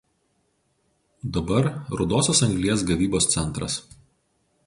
Dabar rudosios anglies gavybos centras.